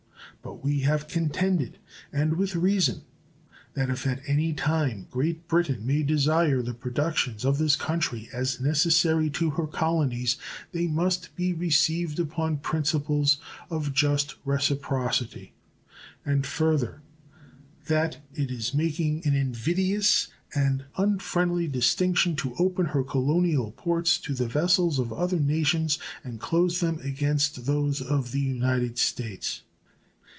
But we have contended, and with reason, that if at any time Great Britain may desire the productions of this country as necessary to her colonies they must be received upon principles of just reciprocity, and, further, that it is making an invidious and unfriendly distinction to open her colonial ports to the vessels of other nations and close them against those of the United States.